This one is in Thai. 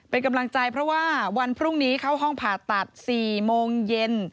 เป็นกำลังใจเพราะว่าวันพรุ่งนี้เข้าห้องผ่าตัด๔โมงเย็น